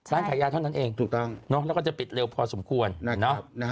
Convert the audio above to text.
ร้านขายยาเท่านั้นเองเนอะแล้วก็จะปิดเร็วพอสมควรเนอะใช่ถูกต้อง